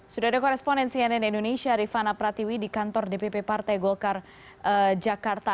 sudah ada koresponen cnn indonesia rifana pratiwi di kantor dpp partai golkar jakarta